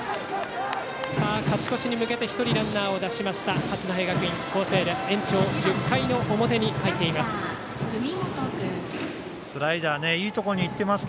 勝ち越しに向けて１人ランナーを出した八戸学院光星です。